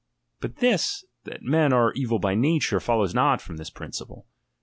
But this, that men are evil by nature, follows not from this principle.